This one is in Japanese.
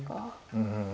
うん。